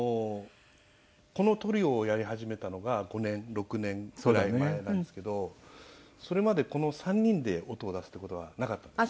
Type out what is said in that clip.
このトリオをやり始めたのが５年６年くらい前なんですけどそれまでこの３人で音を出すっていう事はなかったんですね。